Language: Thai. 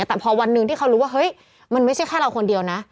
แต่พอวันหนึ่งที่เขารู้ว่าเฮ้ยมันไม่ใช่แค่เราคนเดียวนะ